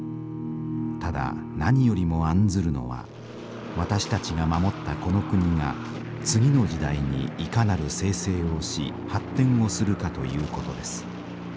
ただ何よりも案ずるのは私たちが守ったこの国が次の時代にいかなる生成をし発展をするかということです。